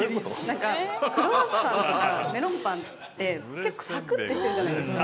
◆なんかクロワッサンとかメロンパンって結構サクッてしてるじゃないですか。